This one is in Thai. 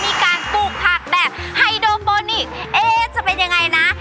มีการปลูกผักแบบไฮโดโปนิกเอ๊ะจะเป็นยังไงนะ